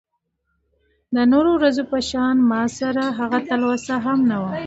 د نورو ورځو په شان ماسره هغه تلوسه هم نه وه .